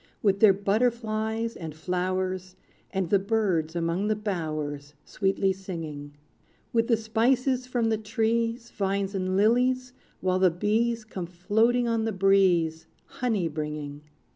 With their butterflies and flowers, And the birds among the bowers Sweetly singing; With the spices from the trees, Vines, and lilies, while the bees Come floating on the breeze, Honey bringing!